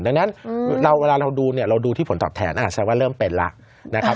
ดังนั้นเวลาเราดูเนี่ยเราดูที่ผลตอบแทนอาจจะว่าเริ่มเป็นแล้วนะครับ